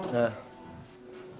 biasanya bekas bekas rambut dipotong